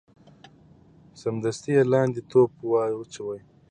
سمدستي یې لاندي ټوپ وو اچولی